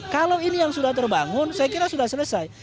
kalau ini yang sudah terbangun saya kira sudah selesai